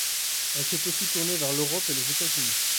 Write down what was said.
Elle s'est aussi tournée vers l'Europe et les États-Unis.